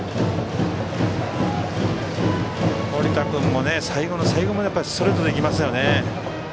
堀田君も最後の最後までストレートで行きますよね。